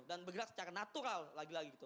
dan bergerak secara natural lagi lagi gitu